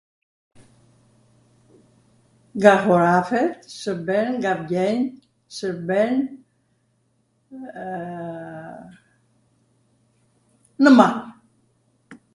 nga horafet shwrben, nga vjenj, shwrben ...wwwww.... nw mal.